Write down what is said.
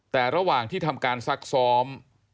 แต่ระหว่างที่ทำการซักซ้อม